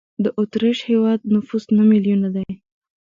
د اوترېش هېواد نفوس نه میلیونه دی.